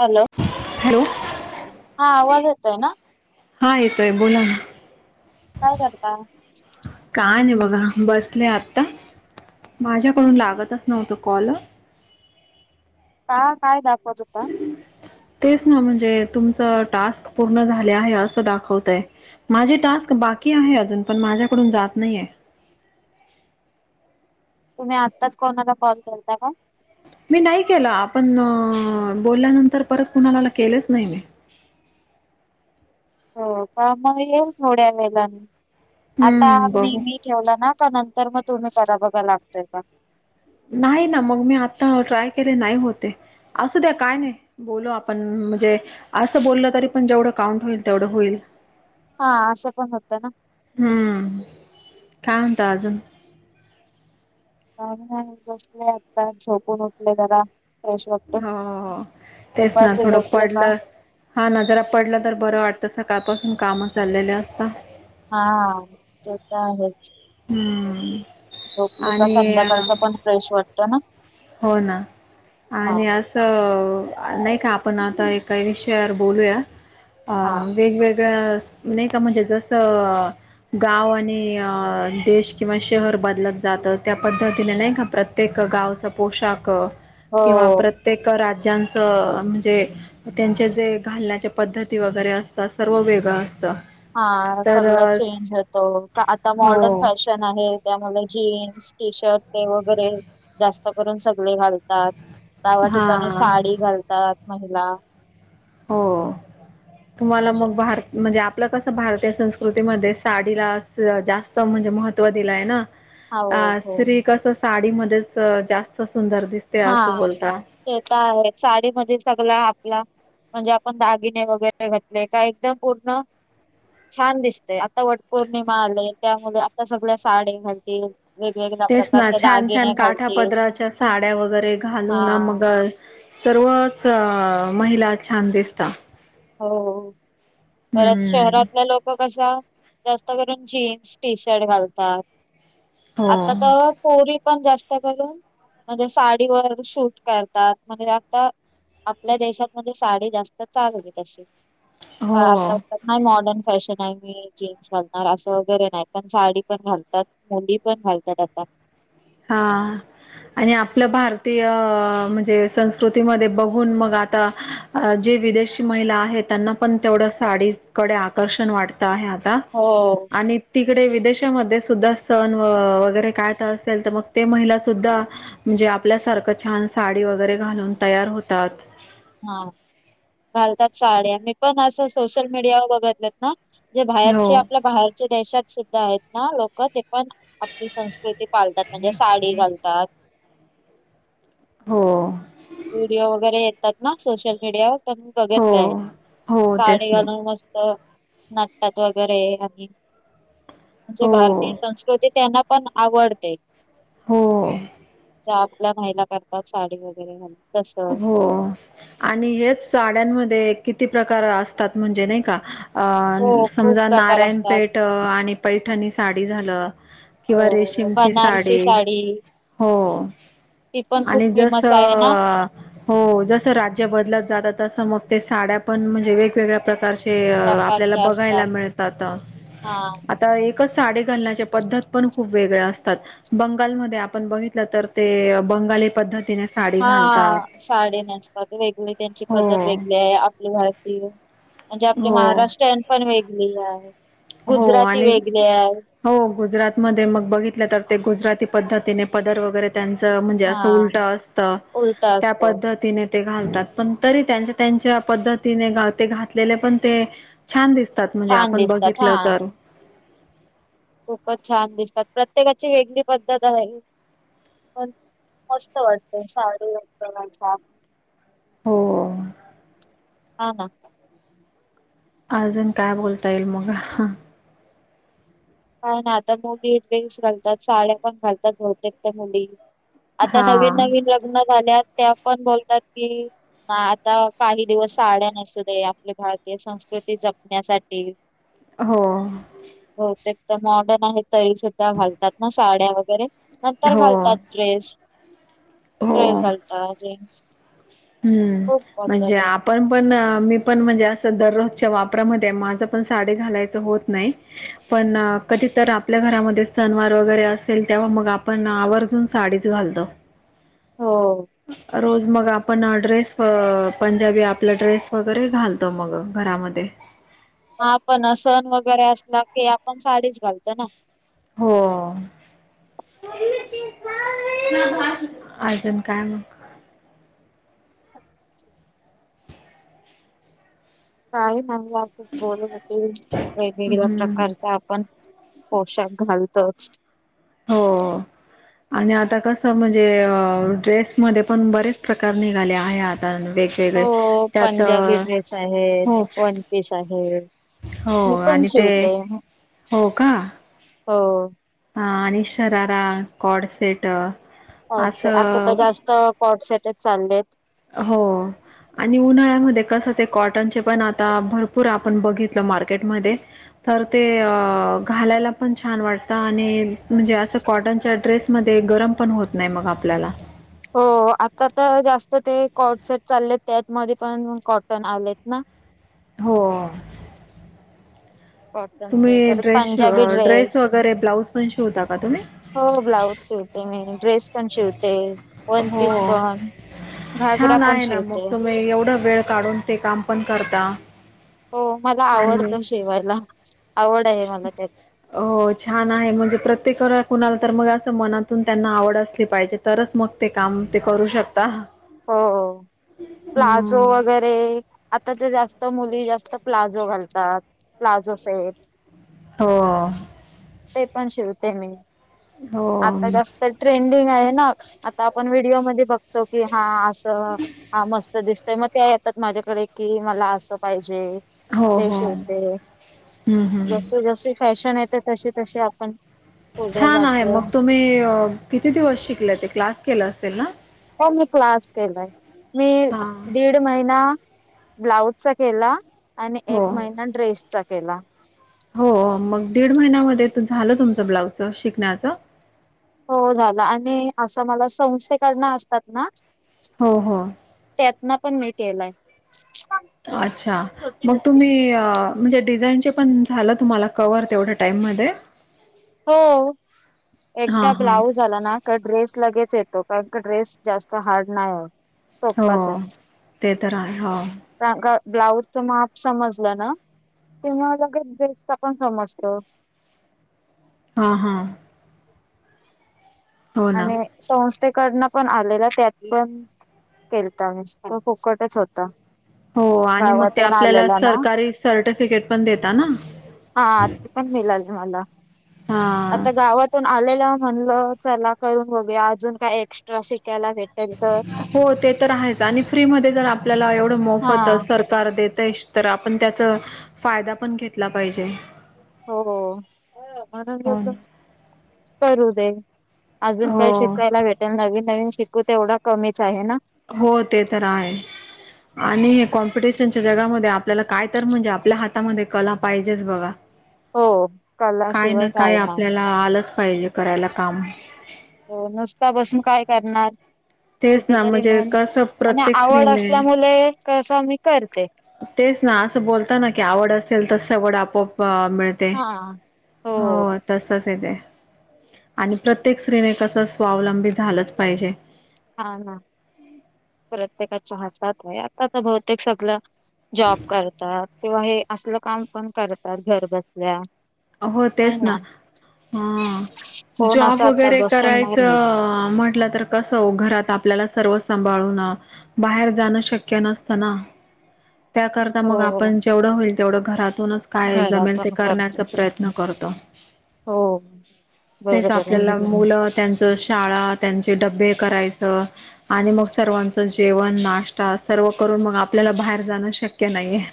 Hello hello हा आवाज येत आहे ना हा येतोय बोला ना काय करता काय नाही बघा बसले आत्ता माझ्याकडून लागतच नव्हत कॉल का काय दाखवत होता तेच ना म्हणजे तुमचं टास्क पूर्ण झाले आहे असं दाखवतय माझे टास्क बाकी आहे अजून पण माझ्याकडून जात नाहीय तुम्ही आत्ताच कोणाला कॉल करता का मी नाही केलं आपण बोलल्यानंतर परत कुणाला केलेच नाही मी हो का मग येईल थोड्या वेळाने आता हम्म, बघू मेहमी ठेवला ना का नंतर मग तुम्ही करा बघा लागतोय का नाही ना मग मी आता ट्राय केले नाही होते असू द्या काय नाही बोलो आपण म्हणजे असं बोललं तरी पण जेवढं काउंट होईल तेवढं होईल हा आशेपण होतेे ना हम् काय होत अजून नाही नाही बसले आता झोपून उठले जरा फ्रेश वाटते हो तेच ना दुपारचे थोडं झोपले का पडलं हा न जरा पडला तर बरं वाटतं सकाळपासून काम चाललेले असतात हा ते तर आहेच हम्म झोपली का आणि संध्याकाळच पण फ्रेश वाटत ना हो ना हा आणि अस तर नाही का आपण आता एकाही विषयावर बोलूया अ हा वेगवेगळ्या नाही का म्हणजे जसं गाव आणि देश किंवा शहर बदलत जातं त्या पद्धतीने नाही का प्रत्यक- प्रत्येक गावच पोशाख किंवा हो प्रत्येक राज्यांचं म्हणजे. त्यांचे जे घालण्याच्या पद्धती वगैरे असतात सर्व वेगळं असतं. हा तर सगळ चेंज होतो आता हो मॉर्डर्न फॅशन- आहे त्यामुळे जीन्स टी शर्ट ते वगैरे जास्त करून सगळे घाल दव्या ठिकाणी हां साडी घालतात महिला हो तुम्हाला तसे मग बार म्हणजे आपलं कसं भारतीय संस्कृतीमध्ये साडीला जास्त म्हणजे महत्त्व दिलंय ना हो अ हो स्त्री कस साडीमध्येच जास्त सुंदर दिस हा ते तर आहे साडी म सगळ आपला म्हणजे आपण दागिने वगैरे घातले का एकदम पूर्ण छान दिसतेय आता वट पौर्णिमा आलेय त्यामुळे आता सगळ्या साडी घालतील. वेगवेगळ्या तेच ना प्रकारच्या छान दागिने छान काठा घालतील. पदराच्या साड्या वगैरे घालू हा ना मग. सर्वच महिला छान दिसतात. हो परत हम्म शहरातल्या लोक कश- जास्त करून जीन्स टी शर्ट घालतात हो आता तर पोरी पण जास्त. घलून म्हणजे साडीवर शूट करतात म्हणजे आता आपल्या देशातमध्ये साडी जास्त चालली तशी आता हो. नाही मॉडर्न फॅशन आहे मी जीन्स घालणार असं वगैरे नाही पण साडी पण घालतात मुली पण घालतात आता हा आणि आपलं भारतीय म्हणजे संस्कृतीमध्ये बघून मग आता अ जे विदेशी महिला आहेत त्यांना पण तेवढ्या साडीकडे आकर्षण वाढते आता हो. आणि तिकडे विदेशामध्ये सुद्धा सण व वगैरे काय. असल तर मग ते महिला सुद्धा. म्हणजे आपल्यासारखं छान साडी वगैरे घालून तयार होतात. हा घालतात साड्या मी पण असं सोशल मीडियावर बघितलेत ना जे हो बाहेरचे आपल्या बाहेरचे देशात सुद्धा आहेत ना लोक ते पण आपली संस्कृती पालतात म्हणजे साडी घालतात. हो. व्हिडिओ वगैरे येतात ना सोशल मीडियावर तर मी हो बघितले आहेत हो तेच साडी ना घालून मस्त. नाटत वगैरे आणि म्हणे हो भारतीय संस्कृती त्यांना पण आवडते. हो. ज आपल्या व्हायला करतात साडी वगैरे घ हो आणि हेच साड्यांमध्ये किती प्रकार असतात म्हणजे नाही का हो अ खूप समजा प्रकार नारायण असतात पेठ आणि पैठणी साडी झालं. किंवा हो रेशीमची बनारसी साडी हो. ती पण खूप आणि जस. फेमस आहे ना हो जसं राज्य बदलत जात तसं मग ते साड्या पण म्हणजे वेगवेगळ्या प्रकारच्या आपल्याला प्रकारच्या बघायला असतात मिळतात. हा तर एकच साडी घालण्याच्या पद्धत पण खूप वेगळ्या असतात. बंगालमध्ये आपण बघितलं तर ते बंगाली पद्धतीने साडी घालतात. साडे नेसतात वेगवेग त्यांची हो पद्धत वेगळी आहे आपले भारतीय. म्हणजे आपली हो महाराष्ट्रन पण वेगळी आहे. हो गुजराती आणि. वेगळी आहे हो गुजरात मध्ये मग बघितलं तर ते गुजराती पद्धतीने पदर वगैरे. त्यांच म्हणजे अस हा उलट असत उलट त्या असत पद्धतीने. ते घालतात पण तरी त्यांच्या त्यांच्या पद्धतीने ते घातलेले पण ते. छान दिसतात म्हणजे छान आपण बघित. दिसतात हा खूपच छान दिसतात प्रत्येकाची वेगळी पद्धत आहे पण मस्त वाटत साडी वला हो हा अजून काय बोलता येईल मगा प ना आता मुली ड्रेस घालतात साड्या पण घालतात बहुतेक त्या मुली आता हा नवीन नवीन लग्न झाल्यात त्या पण बोलतात कि ना आता काही दिवस साड्या नसू दे आपली भारतीय संस्कृती जपण्यासाठी हो हो ते तर मॉडर्न आहे तरी सुद्धा घालतात ना साड्या वगैरे नंतर हो घालतात ड्रेस ड्रेस हो घालतात जेन्स हम्म म्हणजे आपण पण पण मी पण म्हणजे असं दररोजच्या वापरामध्ये माझ पण साडी घालायचं होत नाही पण कधी तर आपल्या घरामध्ये सनवार वगैरे असेल तेव्हा मग आपण आवर्जून साडीच घालतो हो रोज मग आप आपण ड्रेस पंजाबी आपला ड्रेस वगैरे घालतो मग घरामध्ये आपण सण वगैरे असला की आपण साडीच घालतो ना. हो. अजून काय मग. [inaudible] काही म असंच बोल होते वेगवेगळ्या हम्म प्रकारचा पण पोशाख घालतोच. हो आणि आता कसं म्हणजे अ ड्रेस मध्ये पण बरेच प्रकार निघाले आहे आता वेग हो पंजाबी ड्रेस आहेत हो वन पीस आहे हो मी पण आणि ते शिवतेय हो का हो हा आणि शरारा कॉडसेट पॉट स आता तर जास्त पॉट सेटच चालले आहेत हो आणि उन्हाळ्यामध्ये कसं ते कॉटनचे पण आता भरपूर आपण बघितलं मार्केटमध्ये तर ते घालायला पण छान वाटतं आणि म्हणजे असं कॉटनच्या ड्रेसमध्ये गरम पण होत नाही मग आपल्याला हो आता तर जास्त ते कॉट सेट चालले आहेत त्यातमध्ये पण कॉटन आलेत ना हो क तुम्ही ड्रेस श ड्रेस वगैरे ब्लाऊज पण शिवता का तुम्ही हो ब्लाऊज शिवते मी ड्रेस पण शिवते वन हो पीस पण घागरा छान पण आहे ना मग शिवते तुम्ही एवढं वेळ काढून ते काम पण करत हो मला आवडतं शेवायला आवड आहे मला त्यात हो छान आहे म्हणजे प्रत्येक व कुणाला तर मग असं मनातून त्यांना आवड असली पाहिजे तरच मग ते काम ते करू शकता हो प्लाझो हम्म वगैरे आताच्या जास्त मुली जास्त प्लाजो घालतात प्लाझोस आहेतेत हो ते पण शिवते मी हो आता जास्त तर ट्रेंडिंग आहे ना आ आपण व्हिडिओमध्ये बघतो की हा अस हा मस्त दिसतय मग त्या येतात माझ्याकडे कि मला असं पाहिजे. मग हो ते हो हम्म शिवते हम्म जस जशी फॅशन येत तशी तशी आपण पुढे छान आहे जातो मग तुम्ही किती दिवस शिकले ते क्लास केला असेल ना? हो मी क्लास केलाय मी हा दीड दीड महिना ब्लाउजचा केला आणि एक हो महिना ड्रेसचा केला. हो मग दीड महिन्यामध्ये झालं तुमचं ब्लाउजच शिकण्याचं? हो झालं आणि असं मला संस्थेकडून असतात ना हो हो त्यातना पण मी केलाय अच्छा छोटी मग दूध तुम्ही पिशवी म्हणजे डिझाईनचे पण झालं तुम्हाला कव्हर तेवढ्या टाईममध्ये हो एकदा हां हां ब्लाउज झाला ना का ड्रेस लगेच येतो कारण का ड्रेस जास्त हार्ड नाही आहे हो सोप्पाच ते तर आहे हो ब्लाऊजच माप समजलं ना? तेव्हा लगच ड्रेसच पण समजतो. हा हा. हो ना आणि संस्थेकडन पण आलेला त्यात पण केलता मी फुकटच होता. हो आणि मग ते गावातून आपल्याला आलेला ना सरकारी सर्टिफिकेट पण देता ना? हा ते पण मिळाल मला. हा. पण आलेला म्हणलं चला करून बघूया अजून काय एक्स्ट्रा शिकायला भेट हो ते तर आहेच आणि फ्री मध्ये जर आपल्याला एवढं हा मोफत सर कार देतय, तर आपण त्याचा फायदा पण घेतला पाहिजे. हो हो. म्हणून हो बोललं- ना करू दे. अजून काय हो शिकायला भेट नवीन नवीन शिकू तेवढ कमीच आहे ना? हो ते तर आहे. आणि हे कॉम्पिटिशनच्या जगामध्ये आपल्याला काय तर म्हणजे आपल्या हातामध्ये कला पाहिजेच बघा. हो. कलाशिवाय काय नाय. हा आलंच पाहिजे करायला काम हो नुसता बसून काय करणार? तेच कुठ ना तरी म्हणजे मन कसं आणि प्रत्येक आवड स्त्रीने असल्यामुळे कसं मी करते. तेच ना असं बोलता ना की आवड असेल तस सवड आपोआप मिळ ते हा हो होय. तसच येते आणि प्रत्येक स्त्रीने कस स्वावलंबी झालंच पाहिजे. हा ना प्रत्येकाच्या हातात आहे. आता तर बहुतेक सगळ जॉब करतात किंवा हे असलं काम पण करतात घर बसल्या. होय तेच ना. हा कोण जॉब असं आता वगैरे बसून नाही राहत करायचं म्हटलं तर कसं वो घरात आपल्याला सर्व सांभाळून बाहेर जाणं शक्य नसतं ना. त्याकरता मग हो आपण जेवढं होईल तेवढं घरातूनच काय जमेल ते घरातून करण्याच करते प्रयत्न करतो हो तेच बरोबर आपल्याला आहे मुलं त्यांच शाळा, त्यांचे डबे करायचं आणि मग सर्वांचं जेवण, नाष्टा सर्व करून मग आपल्याला बाहेर जाणं शक्य नाही आहे.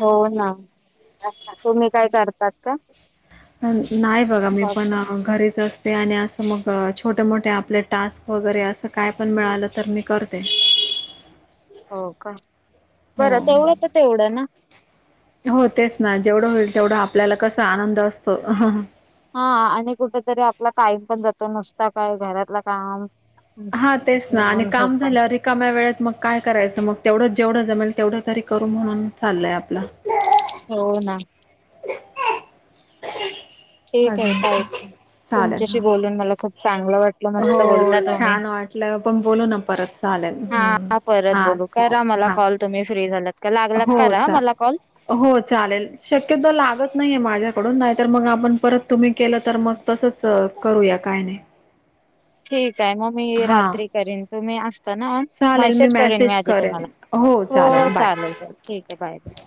हो ना तुम्ही काय करतात का? नाही बघा मी बापरे! पण घरीच अस ते आणि असं मग छोटे, मोठे आपले टास्क वगैरे असं काय पण मिळालं तर मी करते. हो का हो. बरं तेवढं तर तेवढं ना. हो तेच ना जेवढं होईल तेवढं आपल्याला कसा आनंद असतो. अहं. हा आणि कुठेतरी आपला टायम पण जातो नुसता काय घरातलं काम हं, हा तेच ना आणि जेवण, काम झोपा. झाल्यावर रिकाम्या वेळेत मग काय करायचं, मग तेवढं जेवढं जमेल तेवढं तरी करू म्हणून चालय आपलं हो ना. ठीक आहे अजून ताई. चालेल तुमच्याशी हा. बोलून मला खूप चांगलं वाट मस्त हो बोलता तुम्ही. छान वाटलं पण बोलू ना परत चालेल हम्म. हा परत हा बोलू. करा चालेल मला हा कॉल तुम्ही फ्री झालात का लागल का हो करा चा मला कॉल? हो चालेल. शक्यतो लागत नाहीये माझ्याकडून नाहीतर मग आपण परत तुम्ही केलं तर मग तसंच करूया काय नाही. ठीक आहे मग मी हा. रात्री करीन तुम्ही अस ना मेसेज करेन मी आधी तुम्हाला. हो चालेल चालेल ठीक आहे बाय बाय.